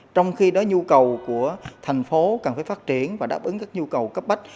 trong khi đó nhu cầu của thành phố cần phải phát triển và đáp ứng các nhu cầu cấp bách